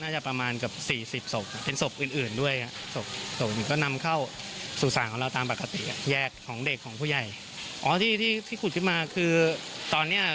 หรือว่าตรวจสอบได้